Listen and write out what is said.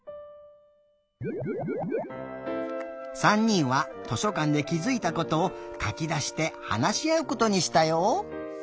３にんは図書かんできづいたことをかきだしてはなしあうことにしたよ。